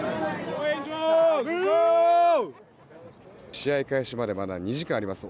試合開始までまだ２時間あります。